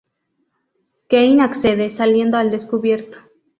Kane accede, saliendo al descubierto.